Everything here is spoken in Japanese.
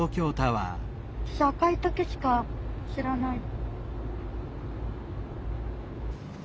私赤い時しか知らない。